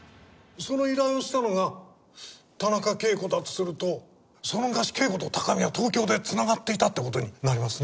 その依頼をしたのが田中啓子だとするとその昔啓子と高見は東京で繋がっていたって事になりますね。